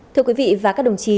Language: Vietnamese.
thưa quý vị và các đồng chí